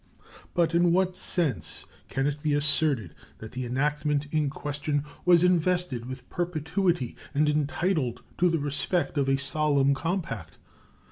But in what sense can it be asserted that the enactment in question was invested with perpetuity and entitled to the respect of a solemn Compact?